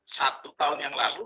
satu tahun yang lalu